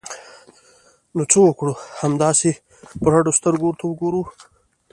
نو څه وکړو؟ همداسې په رډو سترګو ورته وګورو!